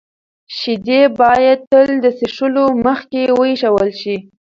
شیدې باید تل د څښلو مخکې ویشول شي.